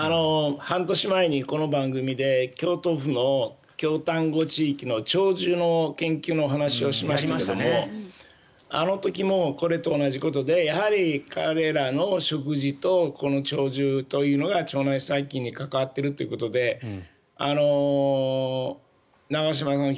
半年前にこの番組で京都府の京丹後地域の長寿の研究の話をしましたがあの時もこれと同じことでやはり彼らの食事とこの長寿というのが腸内細菌に関わっているということで長嶋さん